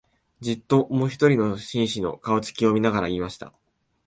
じっと、もひとりの紳士の、顔つきを見ながら言いました